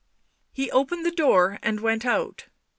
He opened the door and went out.